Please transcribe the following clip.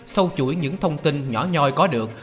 sâu chuỗi những thông tin nhỏ nhoi có được